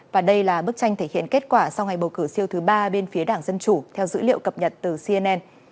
và đây là bức tranh thể hiện kết quả sau ngày bầu cử siêu thứ ba bên phía đảng dân chủ theo dữ liệu cập nhật từ cnn